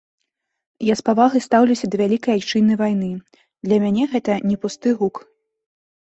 Я з павагай стаўлюся да вялікай айчыннай вайны, для мяне гэта не пусты гук.